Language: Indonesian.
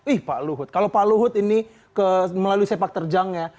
ih pak luhut kalau pak luhut ini melalui sepak terjangnya